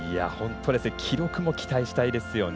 記録も期待したいですよね。